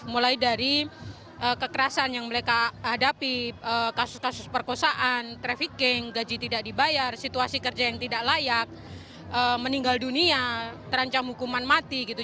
mulai dari kekerasan yang mereka hadapi kasus kasus perkosaan trafficking gaji tidak dibayar situasi kerja yang tidak layak meninggal dunia terancam hukuman mati gitu